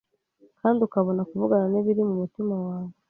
Kandi ukabona kuvugana n'ibiri mu mutima wawe